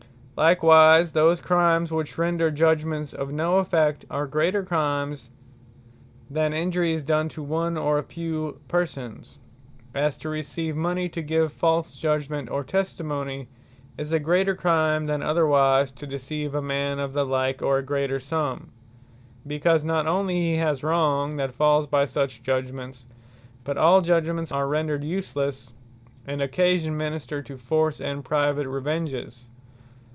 Bribery And False Testimony Likewise those Crimes, which render Judgements of no effect, are greater Crimes, than Injuries done to one, or a few persons; as to receive mony to give False judgement, or testimony, is a greater Crime, than otherwise to deceive a man of the like, or a greater summe; because not onely he has wrong, that falls by such judgements; but all Judgements are rendered uselesse, and occasion ministred to force, and private revenges.